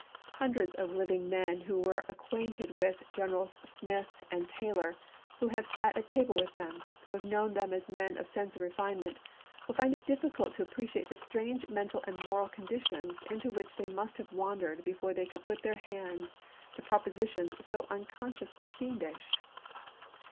Hundreds of living men who were acquainted with Generals Smith and Taylor, who have sat at table with them, who have known them as men of sense and refinement, will find it difficult to ap preciate the strange mental and moral conditions into which they must have wandered before they could put their hands to propositions so uncon sciously fiendish.